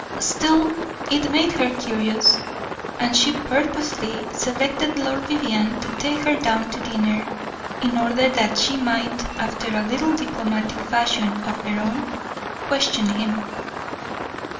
Still it made her curious, and she purposely selected Lord Vivianne to take her down to dinner, in order that she might, after a little diplomatic fashion of her own, question him.